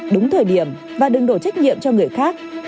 đúng thời điểm và đừng đổ trách nhiệm cho người khác